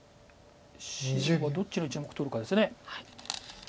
白はどっちの１目取るかです。